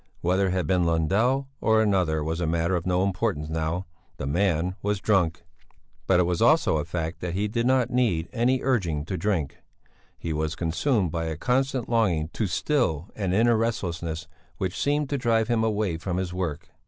Whether it had been Lundell or another was a matter of no importance now; the man was drunk. But it also was a fact that he did not need any urging to drink. He was consumed by a constant longing to still an inner restlessness which seemed to drive him away from his work.